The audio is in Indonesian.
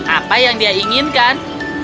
apa yang dia inginkan